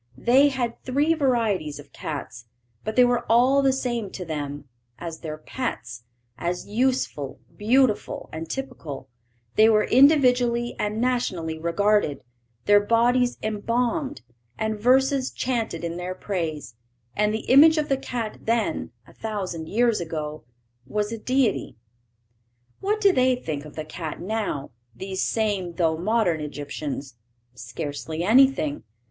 They had three varieties of cats, but they were all the same to them; as their pets, as useful, beautiful, and typical, they were individually and nationally regarded, their bodies embalmed, and verses chaunted in their praise; and the image of the cat then a thousand years ago was a deity. What do they think of the cat now, these same though modern Egyptians? Scarcely anything.